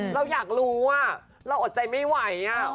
เราอยากรู้เราอดใจไม่ไหว